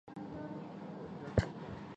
其日本名为佐藤爱之助。